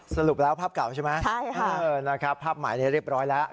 สรุปแล้วภาพเก่าใช่ไหมใช่ค่ะนะครับภาพใหม่นี้เรียบร้อยแล้ว